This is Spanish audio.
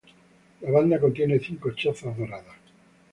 La banda contiene cinco chozas doradas.